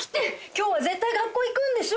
今日は絶対学校行くんでしょ？